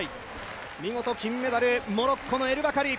見事金メダル、モロッコのエル・バカリ。